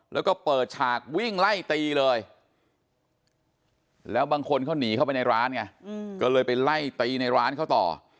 แล้วก็เปิดฉากวิ่งไล่ตีเลยแล้วบางคนเขาหนีเข้าไปในร้านไงก็เลยไปไล่ตีในร้านเขาต่อ